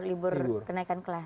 libur kenaikan kelas